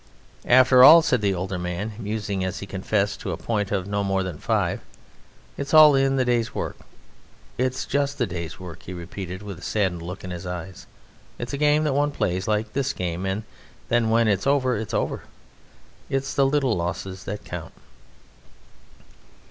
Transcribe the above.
"After all," said the older man, musing as he confessed to a point of no more than five, "it's all in the day's work.... It's just a day's work," he repeated with a saddened look in his eyes, "it's a game that one plays like this game, and then when it's over it's over. It's the little losses that count."